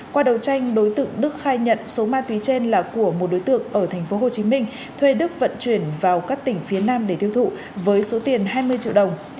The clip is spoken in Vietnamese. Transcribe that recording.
qua đầu tranh đối tượng đức khai nhận số ma túy trên là của một đối tượng ở tp hcm thuê đức vận chuyển vào các tỉnh phía nam để tiêu thụ với số tiền hai mươi triệu đồng